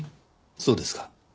そうですか。